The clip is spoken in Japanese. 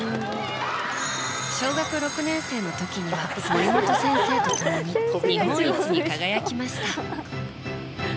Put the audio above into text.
小学６年生の時には森本先生と共に日本一に輝きました。